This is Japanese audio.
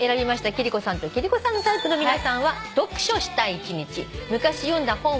貴理子さんと貴理子さんタイプの皆さんは。